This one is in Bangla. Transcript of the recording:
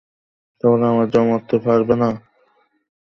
তাহলে আমার জন্য মরতে পারবে না?